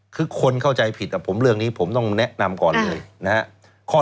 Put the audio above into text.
คือคนเข้าใจผิดผมเรื่องนี้ผมต้องแนะนำก่อนเลยนะครับ